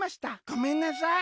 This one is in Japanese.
『ごめんなさい』。